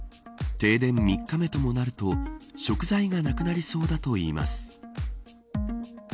停電３日目ともなると食材がなくなりそうだといいます。